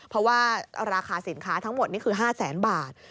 เพราะว่าราคาสินค้าทั้งหมดนี่คือ๕แสนบาท